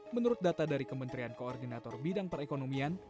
menurut data dari kementerian koordinator bidang perekonomian